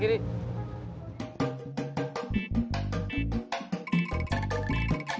diam di sana